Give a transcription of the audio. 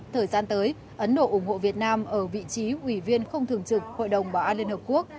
thời gian tới ấn độ ủng hộ việt nam ở vị trí ủy viên không thường trực hội đồng bảo an liên hợp quốc